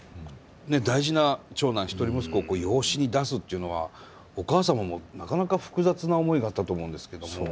大事な長男一人息子を養子に出すっていうのはお母様もなかなか複雑な思いがあったと思うんですけども。